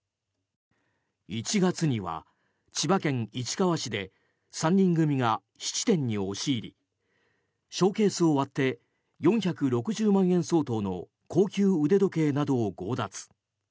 １月には千葉県市川市で３人組が質店に押し入りショーケースを割って４６０万円相当の高級腕時計などを強奪。